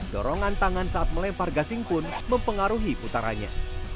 dorongan tangan saat melempar gasing pun mempengaruhi putarannya